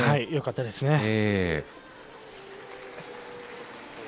よかったですね。